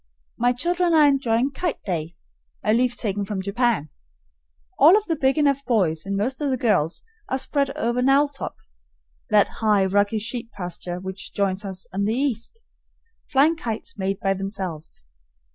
My children are enjoying "kite day," a leaf taken from Japan. All of the big enough boys and most of the girls are spread over "Knowltop" (that high, rocky sheep pasture which joins us on the east) flying kites made by themselves.